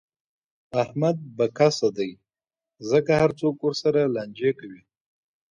احمد به کسه دی، ځکه هر څوک ورسره لانجې کوي.